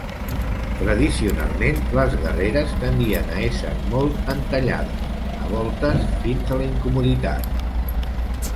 Tradicionalment les guerreres tendien a ésser molt entallades, a voltes fins a la incomoditat.